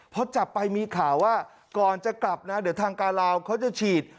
พอจับไปมีข่าวว่าก่อนจะกลับนะเดี๋ยวทางการลาวเขาจะฉีด